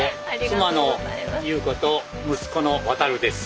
妻の裕子と息子の航です。